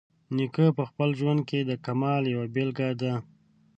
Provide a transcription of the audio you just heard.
نیکه په خپل ژوند کې د کمال یوه بیلګه ده.